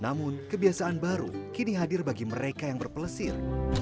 namun kebiasaan baru kini hadir bagi mereka yang berpelesir